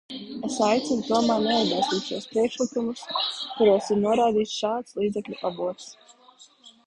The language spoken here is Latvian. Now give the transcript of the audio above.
Es aicinu tomēr neatbalstīt šos priekšlikumus, kuros ir norādīts šāds līdzekļu avots.